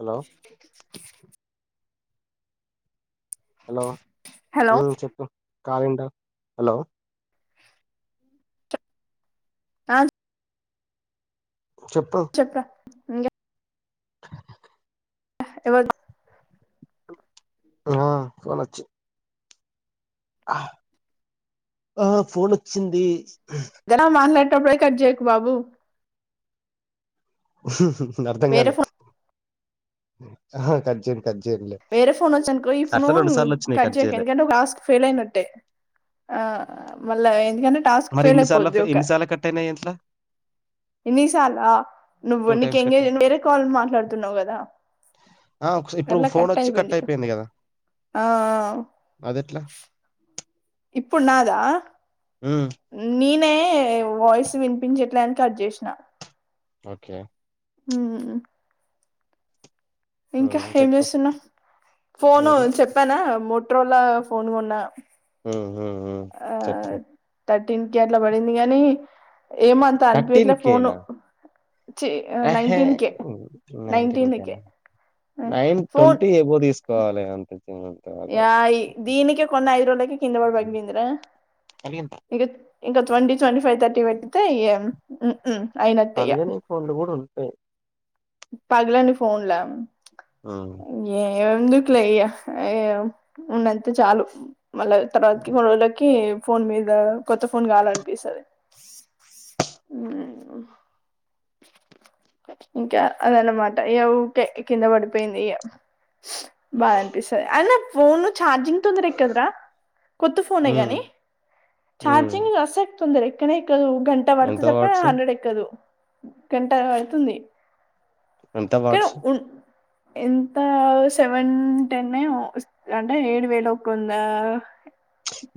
Hello hello hello చెప్పు కాలంట hello అ చెప్పు ఇంగా అ [unintelligible] ఆ సనచ్చి ఆ ఫోన్ వచ్చింది గణ మార్నాడ్ [unintelligible] కట్ జేయకు బాబు నర్థం వేరే కాలే ఫోన్ అహ కట్జెన్ వేరే ఫోన్ వచ్చానుకో ఈ ఫోను రెండు సార్లు వచ్చినాయి కట్ చేయక చేయలే ఎందుకంటే ఒక టాస్క్ ఫెయిల్ అయినట్టే ఆ మళ్ళ ఎంద్ మరి ఇన్నిసార్లా ఫె ఇన్నిసార్లా కట్టాయిన్నాయ్ ఎట్లా ఇన్నిసాల నువ్వు టూ నీక్ టైమ్స్ కట్ ఎంగేజ్ అయినాయి ఉంటేనే కాల్ మాట్లాడుతున్నావు కదా ఆ ఒకసా- ఇప్పుడు అట్లా ఫోన్ కట్ వచ్చి అయిపోయింది కదా ఆ ఆ అదెట్లా ఇప్పుడు నాదా ఉమ్ నీన్ అంటే వాయిస్ వినిపించట్లని కట్ చేసిన ఓకే హ్మ్ ఇంకా ఉమ్ ఏం చెప్పు చేస్తున్నాం ఫోను ఏంలే చెప్పానా మోట్ ట్రోలా ఫోన్ కొన్నా మ్మ్ ఆ థర్టీన్ కె అట్లా పడింది గానీ ఏమో అంత అనిపియట్కే ఫోను చి హేహే నైన్టీన్ కే నైన్టీన్ కేనా నైన్ ట్వంటీ ఏబో తీసుకోవాలి [inaudible] యాయి దీనికే కొన్న ఐదు రోళ్లకి కిందబడి పగిలిపోయిందిరా అలిగిన ఇంగా ఇం ట్వంటీ ట్వంటీ ఫైవ్ తర్టీ పెట్టితే ఇగా అయినట్టే ఇగా అలిగని ఫోన్లు కూడా ఉంటాయి పగలని ఫో ఫోన్లా ఆ ఏవండీ క్లెయ్య అయ్యో ఉన్నంతే చాలు మళ్ళా తప్తకి వొళ్ళకి ఫోన్ మీద కొత్త ఫోన్ కావాలనిపిస్తాది మ్మ్ ఇంకా అదన్నమాట ఇగా ఊకే కింద పడిపోయింది ఇగా బాద్ పిస్తది అయిన ఫోను చార్జింగ్ తొందర ఎక్కదరా కొత్త ఫోన్ ఏ గాని ఉమ్ చార్జింగ్ అస తొందర ఎక్కనే ఎక్కదు గంట ఎంత వడుతేదప్ప వాట్స్ హండ్రెడ్ ఎక్కదు గంట పడుతుంది ఎంత కానీ వాట్స్ ఉ ఎంత సెవెన్ టెన్ ఏమో అంటే ఏడు వేల ఒకంద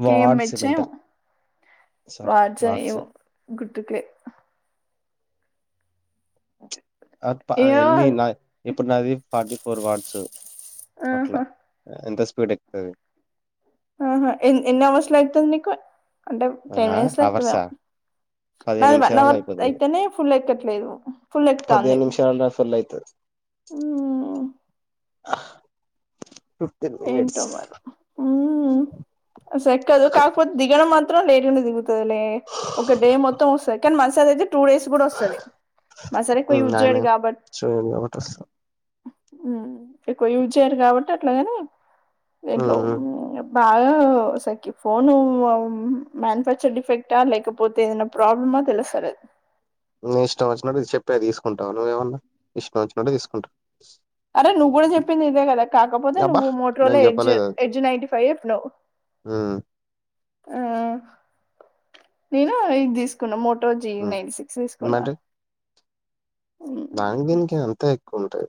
వార్డ్ సిమెంటల్ వార్జయం మో గు తుకే ఆ ప ఏమో ఎన్ని నా ఇప్పుడు నాది ఫార్టీ ఫోర్ వాడ్సు అట్ల ఆహా ఎంత పెడెక్తది ఆహా ఎన్ ఎన్ అవర్స్ లో ఎకుతది నీకు అంటే టెన్ ఆ మినిట్స్ లో అవర్సా ఎక్కుతదేమో పదిహేను నాది వన్ నిమిషాల్లో అవర్ అయిపోతది అయితేనే ఫుల్ ఎక్కట్లేదు ఫుల్ ఎక్కుతాంది. పదిహేను నిమిషాల్లో ఫుల్ అయితది హ్మ్ హ ఏంటోమారి హ్మ్ అసల్ ఎక్కదు కాకపోతే దిగడం మాత్రం త్రం లేట్ గనే దిగుతది లే ఒక డే మొత్తం వస్తది కానీ మన సైడ్ అయితే టూ డేస్ కూడా వస్తది మా సైడ్ ఆయన ఎక్కువచేయడు కాబట్టి చూడు ఒకటి వస్తా ఎక్కువ యూజయర్ కాబట్టి అట్లగానే ఏంట్లో బాగా సకి ఫోను మ్యానుఫ్యాక్చర్ డిఫెక్టా లేకపోతే ఏదనా ప్రాబ్లమా తెలుస్తలేదు. నీ ఇష్టం వచ్చినట్టు చెప్పేది తీసుకుంటావు నువ్వేమన్నా ఇష్టం వచ్చినట్టు తీసుకుంటావు. అరే నువ్వు కూడా చెప్పింది ఇదే కదా కాకపోతే అబ్బా నువ్వు మోట్రో లో నేను ఎడ్జ్ చెప్పలేదు అది ఎడ్జ్ నైన్టి ఫైవ్ చెప్పినవ్. ఉమ్ ఆ నేను ఇది తీసుకున్నా ము ఈ రొజీ ఉమ్ నైన్ సిక్స్ తీసుకున్నా బాంగ్ బిన్కి అంతే కొంటాయ్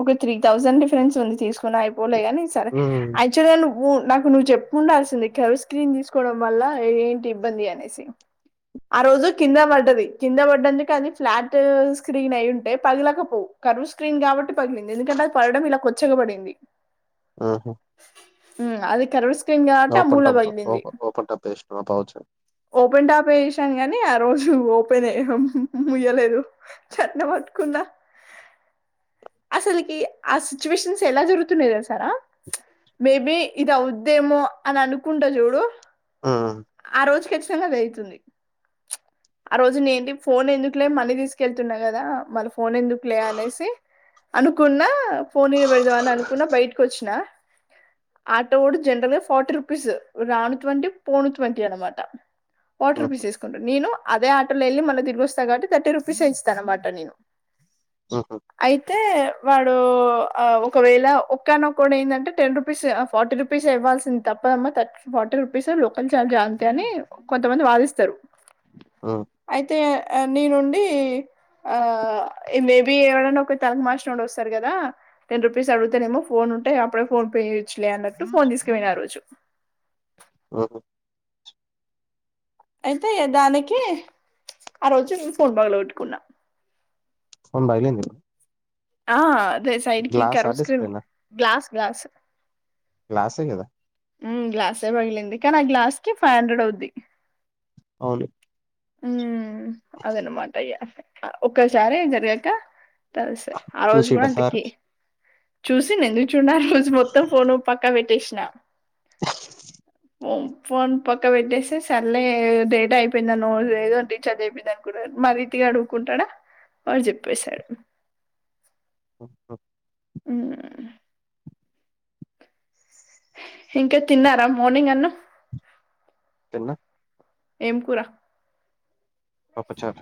ఒకత్రి తౌజెండ్ డిఫరెన్స్ ఉంది తీసుకున్నా ఉంలేగాని సరే హ్మ్. అచవల్ గ నవ్ నాకు నువ్వు చెప్పుండాల్సింది కెమిస్ట్రి తీసుకోవడం వల్ల ఏంటి ఇబ్బంది అనేసి ఆ రోజు కింద పడ్డది కింద పడ్డది కానిఫ్లాట్ స్క్రీన్ అయి ఉంటే పగలకపోవు కరువు స్క్రీన్ కాబట్టి. పగిలింది ఎందుకంటే అది పడడం ఇలా కొద చ్చగబడింది. ఆహా ఉమ్అది కరోస్ క్లిన కవటి ఆమూల టాప్ బగిలింది ఓప్ ఓపెన్ టాప్ ఏసినవా పౌచ్? ఓపెన్ టాపే స్ కాని ఆ రోజు ఓపెన్ అయ ముయ్యలేదు చట్న పట్టుకున్నా అసలకి ఆ సిచ్యువేషన్స్ ఎలా జరుగుతున్నాది అసారా మేబి ఇది అవుద్దేమో అని అనుకుంటా చూడు హ్మ్. ఆ రొజ్ కి తెల్లది అయితుంది ఆ రోజు నేంటి ఫోన్ ఎందుకులే మనీ తీసుకెళ్తున్నా కదా మళ్ ఫ ఫోన్ ఎందుకులే అనేసి అనుకున్న ఫోన్ ఈడ పెడదాం అని అనుకున్న బయటకు వచ్చిన ఆటోడు జెనరల్ గాఫోర్టీ రూపీస్ రాణూ ట్వంటీ పోనూ ట్వంటీన మాట హుహు. ప్వార్టీరుపీస్ తీసుకుంటాను నేను అదే ఆటోలో వెళి మళ్ తిరుగిస్తారు కాట్టి థర్టి రుపీస్ ఇస్తాతాన్నమాట నేను హుహు. అయితే వాడు ఒకవేళ ఒక్కనక్క ఏందంటే టెన్ రూపీస్ ఫార్టీ రూపీస్ ఇవ్వాల్సింది తప్పదమ్మాథర్ ఫార్టీ రూపీస్ లోకల్ చఛార్జ్ అంతే అని కొంతమంది వాదిస్తారు హ్మ్. అయితే నీ నుండి ఆ మేబి ఎవడన్నా ఒక తలకు మాషనోడు వస్తడు కదా టెన్ రూపీస్ అడుగుతేనేమో ఫోన్ ఉంటే అప్పుడే ఫోన్ పే ఇచ్చలే అన్నట్టు ఫోన్ తీసకపోయిన ఆ రోజు ఓహో అయితే దానికి ఆ రోజు ఫోన్ బగల గొట్టుకున్నా ఫోన్ బగిలింది ఆ అదే సైడ్కి కరూస్ క్రీమ్ డిస్‌ప్లేనా? గ్లాస్ గ్లాస్ గ్లాసే కదా! ఊమ్ గ్లాసే పగిలింది కానీ ఆ గ్లాస్ కి ఫైవ్ హండ్రెడ్ అవుద్ది అవును హ్మ్ అదేన్న మట ఇగ ఒక్కసారి ఏం జరిగాక తెలి సే ఆ రోజు కూడా చూసిండా సారు? అంతకి చూసిన ఎందుకు చూడన ఆ రోజు మొత్తం ఫోను పక్కా పెట్టేషి నా [unintelligible] ఓం ఫోన్ పక్క పెట్టేసి సళ్లే డేట అయిపోయిం ఊ లేదండి చదివిపిదానికి కూడా మరీ టీ అడుగుకుంటాడా వాడు చెప్పేసాడు ఓ ఊమ్ ఇంకా తిన్నారా మార్నింగ్ అన్న తిన్న ఎం కురా పపుచారు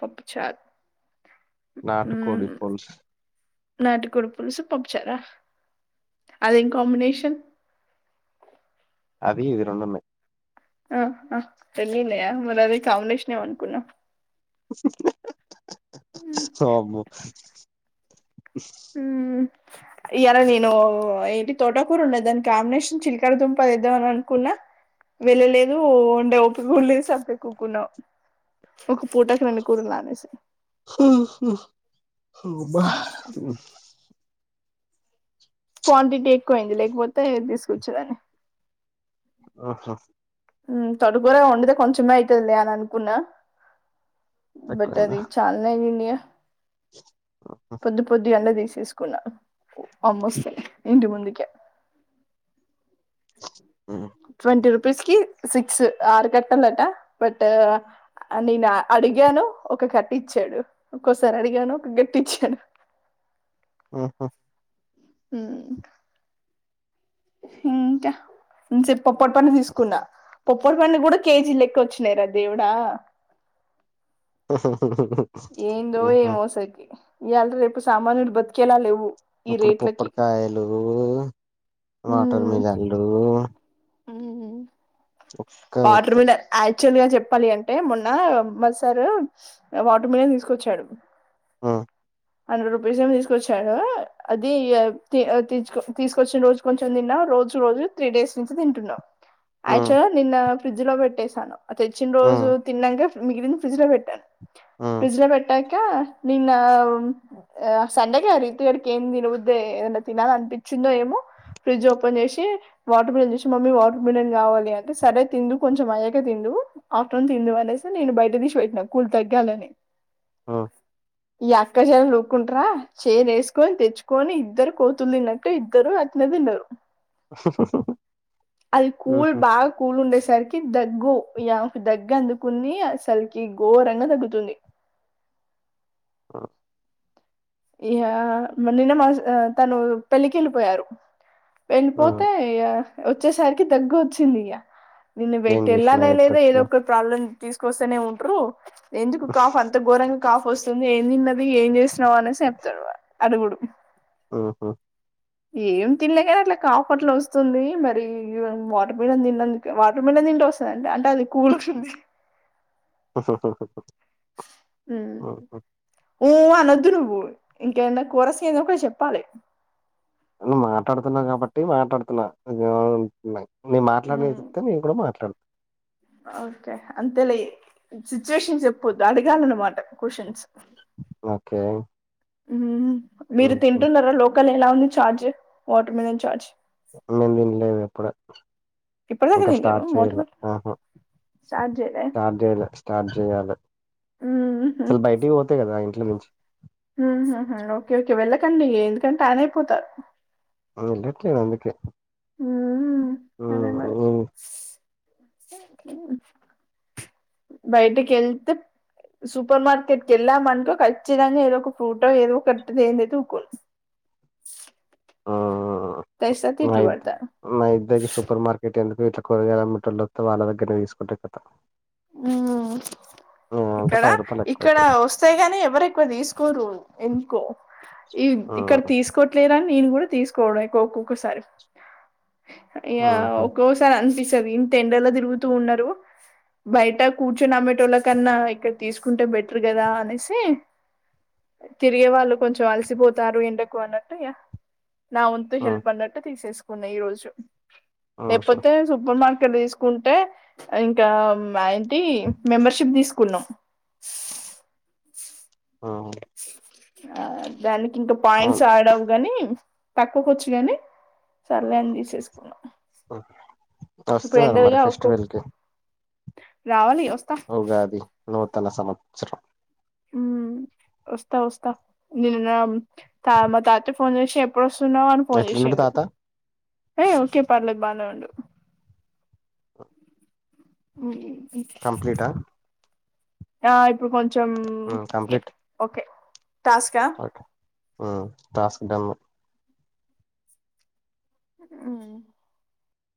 పపుచార్ నాటుకోడిపుల్స్ నాటికోడు పులుసు పప్పుచార అదిం కాంబినేషన్ అది ఇది రొండున్నాయి ఆ హ తెలినయ మరది కమినేషనేమో అనుకున్నా వామ్మో మ్ ఇయలా నేను ఏంటి తోటకూర ఉండే దాని కాంబినేషన్ చిలికర దుంపదేద్దాం అని అనుకున్నా వెళ్ళలేదు ఉండే ఓపికూడా లేదు సపె ఊకున్నా ఒక పూటకు రెండు కూరల అనేసి అమ్మా! క్వాంటిటీ ఎక్కువయింది లేకపోతే తీసుకొచ్చేదాన్ని ఆహా మ్ తోటకూర ఒండితె కొంచమే ఐతది లే అని అనుకున్నా బట్ ఎక్కువైందా? అది ఛాలన్ య పొద్దు పొద్దు గాల దీ తీసుకున్నాను ఆమొస్తే ఇంటి ముందుకే హ్మ్. ట్వంటీ రూ పీస్ కి సిక్స్ ఆరు కట్టలట బట్ ఆ నేను అడిగాను ఒక కట్ట ఇచ్చాడు ఇంకోసారి అడిగాను ఒక గట్టి ఇచ్చాడు ఆహా హూ హూ ఇంకా ఇంతసేపు పప్పటోను తీసుకున్నా పప్పొరు పండ్లు కూడా కేజీ లెక్క వచ్చినాయి రా దేవుడా హూ‌ హూ ఏందో ఏమో అసకి ఇయ్యాల్టి రేపు సామాన్యులు బతికేలా లేవు ఈ ఇప్పుడు రేట్లకి పుప్పడికాయలు వాటర్ మిలాన్ లు ఊహూ ఇంకా వాటర్ పోతాయి. మిలాన్ [unintelligible] చువల్ గా చెప్పాలి అంటే మొన్న మా సారు వాటర్ మిలాన్ తీసుకొచ్చాడు ఆ హండ్రెడ్ రూపీస్ ఏమో తీసుకొచ్చాడు. అది తీసుకొచ్చిన రోజు కొంచెం తిన్నా, రోజు రోజు త్రీ డేస్ నుంచి తింటున్నా, ఆ యాక్చువల్గా నిన్న ఫ్రిడ్జ్ లో పెట్టేశాను. అ తెచ్చిన ఆ రోజు తిన్నాంకా మిగిలింది ఫ్రిజ్ లో పెట్టాన్ ఆ ఫ్రిడ్జ్ లో పెట్టా కా నిన్న ఆ సండేకి ఆ రీతిగడికి ఏం తినవద్దే ఏదైనా తినాలి అనిపించిందో ఏమో ఫ్రిడ్జ్ ఓపెన్ చేసి వాటర్ మిలన్ చూసి మమ్మీ వాటర్ మిలన్ కావాలి అంటే సరే తింది కొంచెం అయయా తివు ఆఫ్టర్నూన్ తింద అనేసి నేను బయట తీసి పెట్టినాను కూల్ తగ్గాలని ఆ స్ అక్కజాల లుక్కుంటార చేరు వేసుకొని తెచ్చుకొని ఇద్దరు కోతులు తిన్నాక ఇద్దరు అతిన తిన్నారురు అది కూల్ ఉహు బాగా కూల్ ఉండ సరికి దగ్గుో యా దగ్గ అందుకుని అసరికి ఘోరంగా తగ్గుతుంది ఆ ఇ నిన్న మా తను పెళ్ళకి వెళ్ళిపోయారు ఆ! వెళ్ళిపోతే వచ్చేసరికి తగ్గ వచ్చింది ఇక నిేన్న బయట ఏం చేసినా వెళ్ళానే లేదా ఏదో ఎట్లొచ్చినా ఒక ప్రాబ్లం తీసుకొస్తేనే ఉంటరు ఎందుకు కాఫ్ అంత ఘోరంగా కాఫ్ వస్తుంది ఏం తిన్నది ఏం చేసినావు అనే సేపుతవా అడుగుడు ఆహా ఏం తిినలే కానీ అట్లా కాపట్లు వస్తుంది మరి వాటర్ మిలన్ తిందు వాటర్ మిలన్ తింటే వస్తుందింటడి అంటే అది కూల్ంటంది హాహూ హాహాహా ఊ ఊ.. అనొద్దు నువ్వు ఇంకేన్న కూరస ఏదో ఒక చెప్పాలి మాట్లాడుతున్నా కాబట్టి మాట్లాడుతున్నా నేను మాట్లాడనిది చెప్తే నేను కూడా మాట్లాడ ఓకే. అంతేలే, సిచ్యువేషన్ చెప్పోద్దు అడగాలన్నమాట క్వశ్చన్స్ ఒకే. హుహూ మీరు తింటున్నారా లోకలే ఎలా ఉంది ఛార్జ్? ! Watermelon charge. ! నేన్ దిన్లేదు ఎప్పుడు ఇప్పుడిదాక ఇంకా తినలేవా స్టార్ట్ వాటర్ చేయలే మిలన్ ఆహా స్టార్ట్ జైలే స్టార్ట్ చేయలే స్టార్ట్ జేయాలి అసలు బయటికి పోతే గదా ఇంటి నుంచి ఊహుహు ఓకే ఓకే వెళ్ళకండి ఎందుకంటే టాన్ అయిపోతారు ఆ ఎల్లట్లేదు అందుకే ఆ.. అ బయటకిళ్తే సూపర్ మార్కెట్కెళ్ళామనుకో ఖచ్చితంగా ఏదో ఒక ఫ్రీఫ్రూటో ఏదో ఒకది తెందైతే ఊకొను ఆ.... ఆహా నయిత్ పడతారు నయిదగి సూపర్ మార్కెట్ ఎంత వీట్లో కూరగాయలు అమ్మెటోళ్ళు వొస్తే వాళ్ళ దగ్గరనే తీసుకుంటే కతం. ఊ అంటే ఇక్కడ, పది రూపాయలు ఇక్కడ ఎక్కువైతది వస్తాయి గానీ ఎవరు ఎక్కువ తీసుకోరు ఎందుకో ఈ ఆ ఇక్కడ తీసుకోట్లేరని నేను కూడా తీసుకోవడం ఎకో ఒక్కొక్కసారి యా ఆహా ఒక్కోసారి అనిపిస్త తెరియు ఇంతేండలా తిరుగుతూ ఉన్నరు బయట కూర్చొని అమెట్టోల కన్నా ఇక్కడ తీసుకుంటే బెటర్ గదా అనేసి, తిరిగే వాళ్ళు కొంచెం అలసిపోతారు ఎండకు అన్నట్టు ఇగా,. నావుంతు ఆ హెల్ప్ అన్నట్టు తీసేసుకు కొన్న ఈ రోజు. ఆహా లేప్పోతే సూపర్ మార్కెట్ ఇక్కడ్ తీసుకుంటే ఇంకా వాయ్ టీ మెంబర్షిప్ తీసుకున్నాం. ఆ ఆ దానిక్ ఇంక పాయింట్స్ అవును ఆడవు గాని పక్కకొచ్చిగాని సర్లే అని తీసేసుకున్నాం ఇప్పుడు వస్తున్నార మరి ఎండలుగా ఒక్కొ ఫెస్టివల్ కి రావాలి ఒక్ ఉగాది నూ తన సంవత్సరం ఉం వస్తా వస్తా నిన్న తా మా తాత ఫోన్ చేసి ఎప్పుడు వస్త ఉన్నావని పోన్ ఎట్లున్నడు చేసిండు తాత ఏ ఓకే పర్లేదు బానే ఉండు. ఉం కంప్లీటా ఆ ఇప్పుడు కొంచెం కంప్లీట్ ఓకే టాస్కా ఆ టాస్క్ డన్ అ